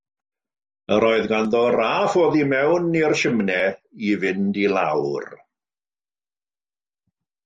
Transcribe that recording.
Yr oedd ganddo raff oddi mewn i'r simnai i fynd i lawr.